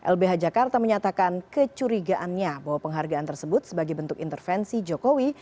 lbh jakarta menyatakan kecurigaannya bahwa penghargaan tersebut sebagai bentuk intervensi jokowi